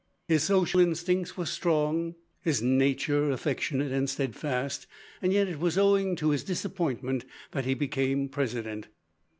His social instincts were strong, his nature affectionate and steadfast, yet it was owing to his disappointment that he became President.